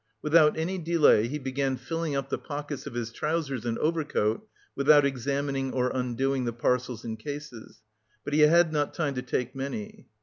Without any delay, he began filling up the pockets of his trousers and overcoat without examining or undoing the parcels and cases; but he had not time to take many....